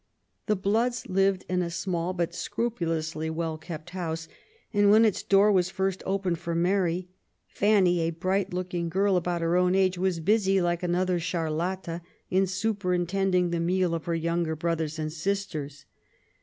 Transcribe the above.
'' The Bloods lived in a small, but scrupulously well kept house, and when its door was first opened for Mary, Fanny, a bright looking girl about her own age, was busy, like another Charlotte, in superintending the meal of her younger brothers and sisters.